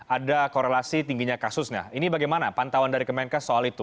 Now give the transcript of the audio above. ada korelasi tingginya kasus nah ini bagaimana pantauan dari kemenkes soal itu